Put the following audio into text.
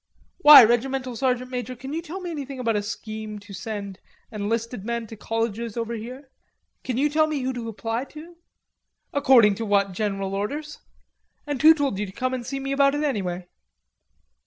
"Why, Regimental Sergeant Major, can you tell me anything about a scheme to send enlisted men to colleges over here? Can you tell me who to apply to?" "According to what general orders? And who told you to come and see me about it, anyway?"